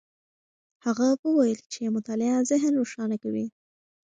هغه وویل چې مطالعه ذهن روښانه کوي.